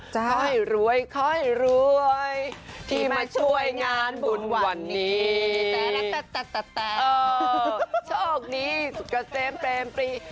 ขอให้รวยที่มาช่วยงานบุญวันนี้โอ้โฮโชคดีสุขเต็มเป็นปรี